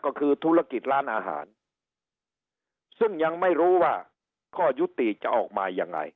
ก็คือธุรกิจร้านอาหารซึ่งยังไม่รู้ว่าข้อยุติจะออกมายังไง